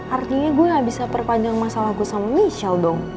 artinya gue gak bisa perpanjang masalah gue sama michelle dong